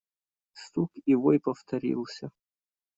Стук и вой повторился.